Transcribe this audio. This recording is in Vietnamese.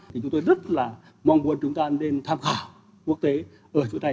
thì chúng tôi rất là mong muốn chúng ta nên tham khảo quốc tế ở chỗ này